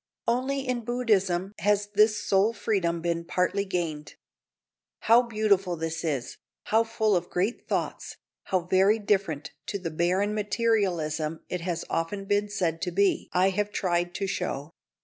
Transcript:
Only in Buddhism has this soul freedom been partly gained. How beautiful this is, how full of great thoughts, how very different to the barren materialism it has often been said to be, I have tried to show.